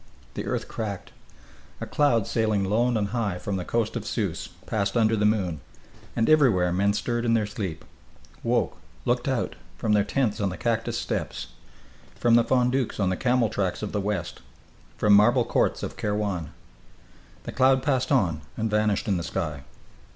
The earth cracked. A cloud sailing lone and high from the coast of Sousse passed under the moon and everywhere men stirred in their sleep, woke, looked out from their tents on the cactus steppes, from fondouks on the camel tracks of the west, from marble courts of Kairwan.... The cloud passed on and vanished in the sky.